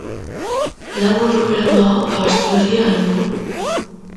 Lau ordu beranduago, abesti berria genuen.